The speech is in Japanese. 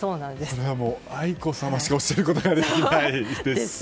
それは愛子さましかおっしゃることができないですね。